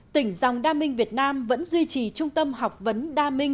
tỉnh dòng đa minh việt nam vẫn duy trì trung tâm học vấn đa minh